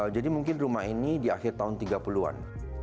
jadi mungkin rumah ini di akhir tahun tiga puluh an